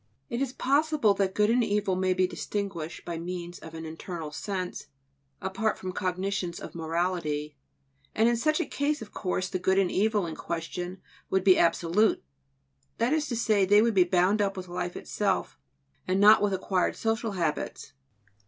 It is possible that good and evil may be distinguished by means of an "internal sense," apart from cognitions of morality; and in such a case, of course, the good and evil in question would be absolute; that is to say, they would be bound up with life itself and not with acquired social habits.